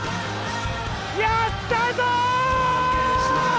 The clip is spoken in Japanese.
やったぞ！